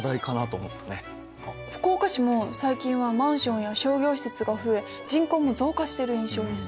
福岡市も最近はマンションや商業施設が増え人口も増加してる印象です。